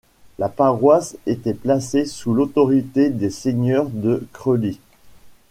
La paroisse était placée sous l'autorité des seigneurs de Creully.